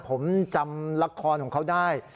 ผมจำละครของเขาได้